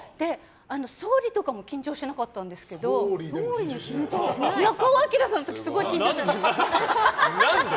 総理とかも緊張しなかったんですけど中尾彬さんの時はすごい緊張しちゃって。